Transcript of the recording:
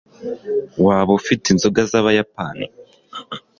waba ufite inzoga z'abayapani